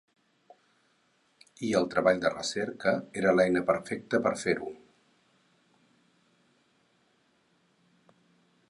I el Treball de Recerca era l'eina perfecta per fer-ho.